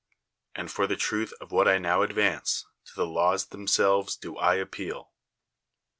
And for the truth of what I now advance, to the laws themselves do I ap peal.